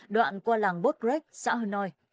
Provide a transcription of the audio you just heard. đoạn qua làng bốt crêch xã hồ nôn